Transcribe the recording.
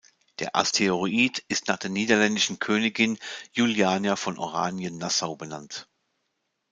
Der Asteroid ist nach der niederländischen Königin Juliana von Oranien-Nassau benannt.